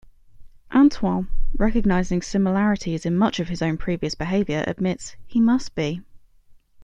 Antoine, recognising similarities in much of his own previous behaviour, admits, "He must be".